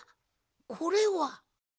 これは。